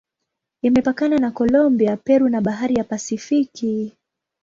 Imepakana na Kolombia, Peru na Bahari ya Pasifiki.